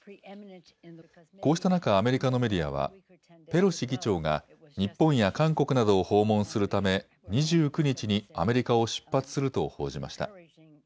こうした中、アメリカのメディアはペロシ議長が日本や韓国などを訪問するため２９日にアメリカを出発すると報じました。